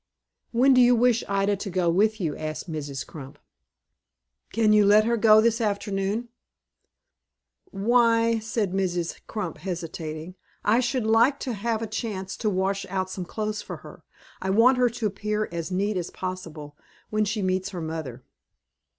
"When do you wish Ida to go with you?" asked Mrs. Crump. "Can you let her go this afternoon?" "Why," said Mrs. Crump, hesitating, "I should like to have a chance to wash out some clothes for her. I want her to appear as neat a possible, when she meets her mother."